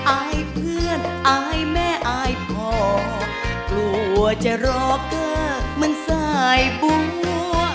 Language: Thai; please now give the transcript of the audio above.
อายเพื่อนอายแม่อายพอกลัวจะรอเกอร์มันสายบัว